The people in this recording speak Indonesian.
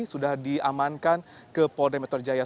sudah diamankan ke polremeter jaya